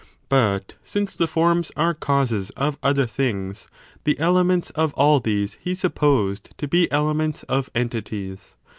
But since the forms are causes of other things, g piatonic the elements of all these he supposed t© be ele theory, "de ments of entities.